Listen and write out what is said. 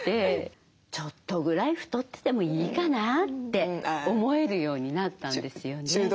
ちょっとぐらい太っててもいいかなって思えるようになったんですよね。